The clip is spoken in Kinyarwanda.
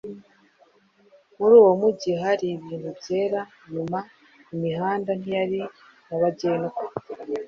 Muri uwo mujyi hari ibintu byera; nyuma, imihanda ntiyari nyabagendwa.